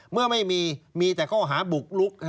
เมื่อไม่มีมีแต่ข้อหาบุกลุก